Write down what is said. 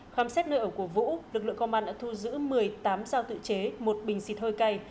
khám xét nơi ở của vũ lực lượng công an đã thu giữ một mươi tám giao tự chế một bình xịt hơi cay